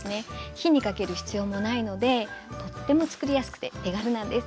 火にかける必要もないのでとっても作りやすくて手軽なんです。